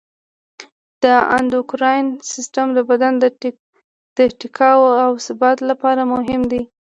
د اندوکراین سیستم د بدن د ټیکاو او ثبات لپاره مهم دی.